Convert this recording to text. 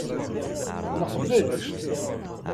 Neqbel.